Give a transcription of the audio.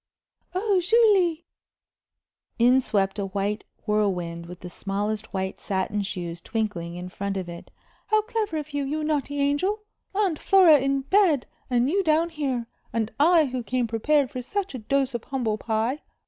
"Oh, Julie" in swept a white whirlwind with the smallest white satin shoes twinkling in front of it "how clever of you you naughty angel! Aunt Flora in bed and you down here! And I who came prepared for such a dose of humble pie!